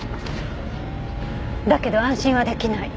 「だけど安心はできない。